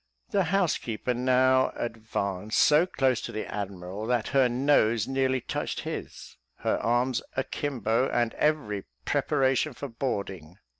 '" The housekeeper now advanced so close to the admiral, that her nose nearly touched his, her arms akimbo, and every preparation for boarding.